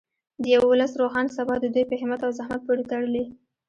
د یو ولس روښانه سبا د دوی په همت او زحمت پورې تړلې.